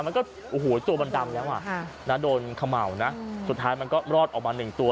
มันก็โอ้โหตัวมันดำแล้วอ่ะนะโดนเขม่านะสุดท้ายมันก็รอดออกมาหนึ่งตัว